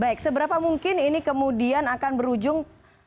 baik seberapa mungkin ini kemudian akan berujung